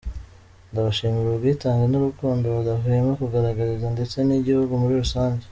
Ndabashimira ubwitange n'urukundo badahwema kungaragariza ndetse n'igihugu muri rusange.